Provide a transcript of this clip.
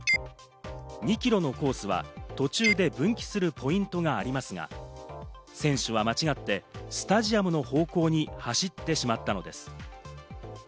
２キロのコースは途中で分岐するポイントがありますが、選手は間違ってスタジアムの方向に走ってしまったのです。